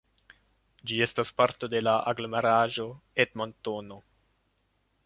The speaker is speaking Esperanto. Ĝi estas parto de la Aglomeraĵo Edmontono.